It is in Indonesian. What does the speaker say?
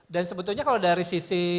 dan sebetulnya kalau dari sisi